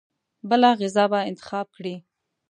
بله غذا به انتخاب کړي.